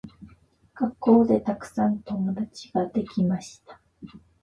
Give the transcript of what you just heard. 学校でたくさん友達ができました。